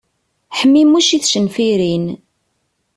Ḥmimuc i tcenfirin.